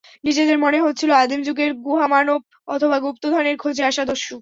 নিজেদের মনে হচ্ছিল আদিম যুগের গুহামানব অথবা গুপ্তধনের খোঁজে আসা দস্যু।